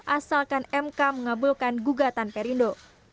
asalkan mk mengabulkan gugatan perindo